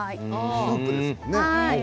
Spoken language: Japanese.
スープですもんね。